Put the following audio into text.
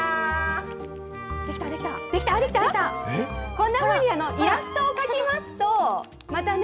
こんなふうにイラストを描きますと、またね、